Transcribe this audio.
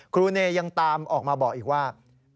ครูเนยยังตามออกมาบอกอีกว่า